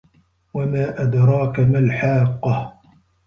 وَما أَدراكَ مَا الحاقَّةُ